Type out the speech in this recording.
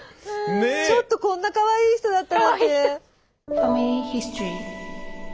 ちょっとこんなかわいい人だったなんて！